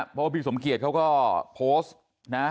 เพราะว่าพี่สมเกียจเขาก็โพสต์นะ